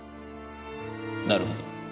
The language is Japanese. なるほど。